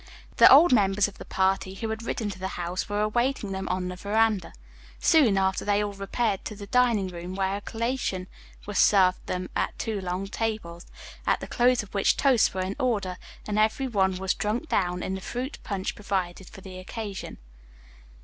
The older members of the party who had ridden to the house were awaiting them on the veranda. Soon after they all repaired to the dining room, where a collation was served them at two long tables, at the close of which toasts were in order, and every one was "drunk down" in the fruit punch provided for the occasion.